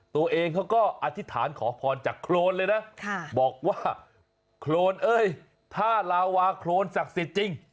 ตัวเองเขาก็อธิษฐานขอพรจากโครนเลยนะบอกว่าโครนเอ้ยถ้าลาวาโครนศักดิ์สิทธิ์จริง